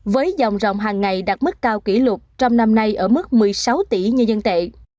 với dòng rồng hàng ngày đạt mức cao kỷ lục trong năm nay ở mức một mươi sáu tỷ như dân tệ